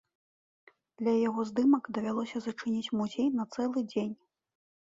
Для яго здымак давялося зачыніць музей на цэлы дзень.